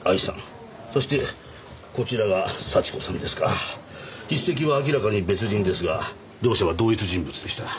そしてこちらが幸子さんですが筆跡は明らかに別人ですが両者は同一人物でした。